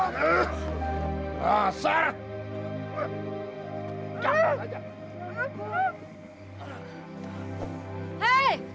mau dibawa kemana